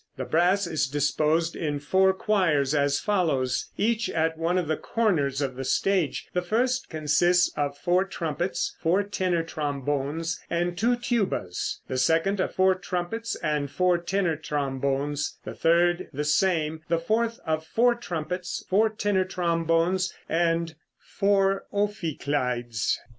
The brass is disposed in four choirs as follows, each at one of the corners of the stage; the first consists of four trumpets, four tenor trombones and two tubas; the second of four trumpets and four tenor trombones; the third the same; the fourth of four trumpets, four tenor trombones and four ophicleides.